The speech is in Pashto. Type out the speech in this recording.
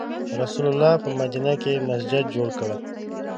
رسول الله په مدینه کې مسجد جوړ کړ.